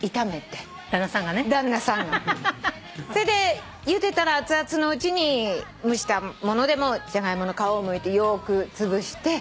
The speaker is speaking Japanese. それでゆでたら熱々のうちに蒸したものでもジャガイモの皮をむいてよくつぶして。